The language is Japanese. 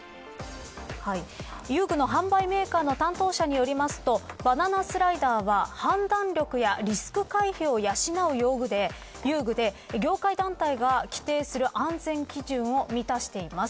遊具の販売メーカーの担当者によりますとバナナスライダーは判断力やリスク回避を養う遊具で業界団体が規定する安全基準を満たしています。